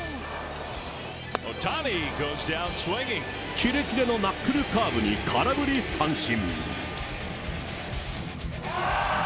きれきれのナックルカーブに空振り三振。